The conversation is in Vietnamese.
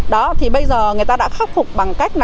đó thì bây giờ người ta đã khắc phục bằng cách là